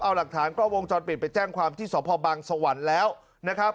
เอาหลักฐานกล้องวงจรปิดไปแจ้งความที่สพบังสวรรค์แล้วนะครับ